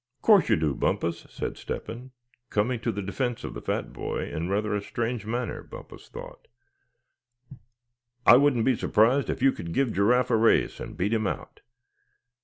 "Course you do, Bumpus," said Step hen, coming to the defense of the fat boy in rather a strange manner, Bumpus thought; "I wouldn't be surprised if you could give Giraffe a race, and beat him out.